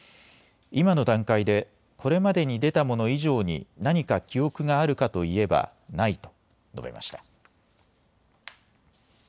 今の段階でこれまでに出たもの以上に何か記憶があるかといえばないと述べました。